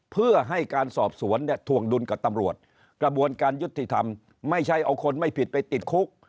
เพื่อให้การสอบสวนเนี่ยถวงดุลกับตำรวจกระบวนการยุติธรรมไม่ใช่เอาคนไม่ผิดไปติดคุก